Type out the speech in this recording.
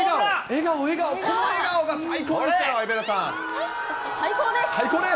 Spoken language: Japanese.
笑顔、笑顔、この笑顔が最高最高です！